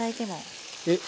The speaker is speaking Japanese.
えっ⁉